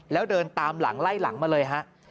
แล้วเดินตามหลังไล่หลังมาเลยฮะ